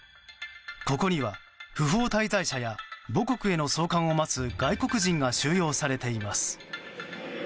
ここには不法滞在者や母国への送還を待つ外国人が収容されています。